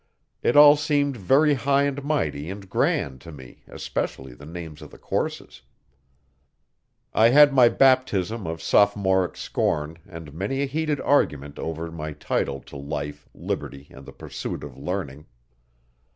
It all seemed very high and mighty and grand to me especially the names of the courses. I had my baptism of Sophomoric scorn and many a heated argument over my title to life, liberty and the pursuit of learning.